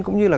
cũng như là